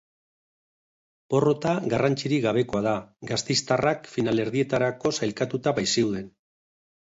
Porrota garrantzirik gabekoa da, gasteiztarrak finalerdietarako sailkatuta baitzeuden.